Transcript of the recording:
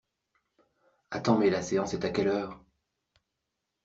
Attends mais la séance est à quelle heure?